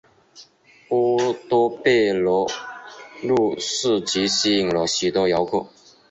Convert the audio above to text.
波多贝罗路市集吸引了许多游客。